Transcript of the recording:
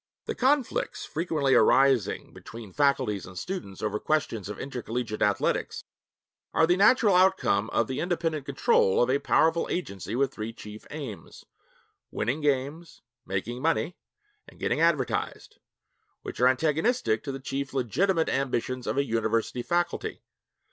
The conflicts frequently arising between faculties and students over questions of intercollegiate athletics are the natural outcome of the independent control of a powerful agency with three chief aims winning games, making money, and getting advertised which are antagonistic to the chief legitimate ambitions of a university faculty.